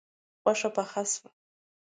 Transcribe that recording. غوښه پخه شوه